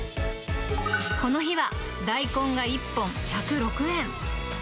この日は大根が１本１０６円。